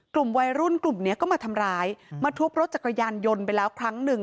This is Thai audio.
กลุ่มวัยรุ่นกลุ่มเนี้ยก็มาทำร้ายมาทุบรถจักรยานยนต์ไปแล้วครั้งหนึ่ง